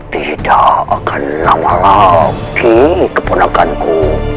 tidak akan lama lagi keponakanku